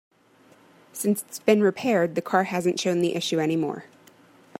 Since it's been repaired, the car hasn't shown the issue any more.